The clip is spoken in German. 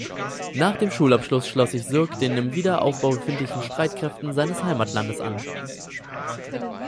Nach dem Schulabschluss schloss sich Sirk den im Wiederaufbau befindlichen Streitkräften seines Heimatlandes an.